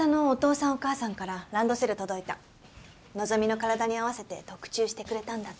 希の体に合わせて特注してくれたんだって。